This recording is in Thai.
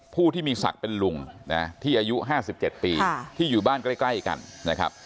ผู้ที่มีศักดิ์เป็นลุงนะที่อายุ๕๗ปีที่อยู่บ้านใกล้กันนะครับ